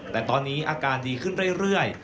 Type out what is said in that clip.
แต่ตอนนี้อาการดีขึ้นเรื่อย